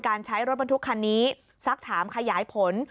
ใช้รถบรรทุกคันนี้สักถามขยายผล